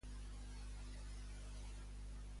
Penja un nou estat a Facebook i etiqueta a la Júlia.